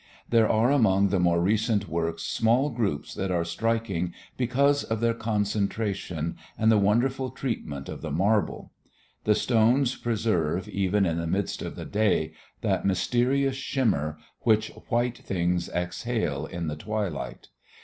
There are among the more recent works small groups that are striking because of their concentration and the wonderful treatment of the marble. The stones preserve, even in the midst of the day, that mysterious shimmer which white things exhale in the twilight.